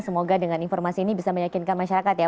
semoga dengan informasi ini bisa meyakinkan masyarakat ya